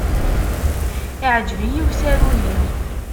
Yeɛjeb-iyi usaru-nni.